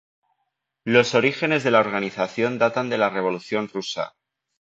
Los orígenes de la organización datan de la Revolución rusa.